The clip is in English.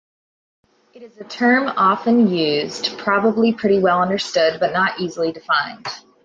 It is a term often used, probably pretty well understood, but not easily defined.